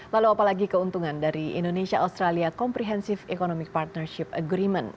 lalu apalagi keuntungan dari indonesia australia comprehensive economic partnership agreement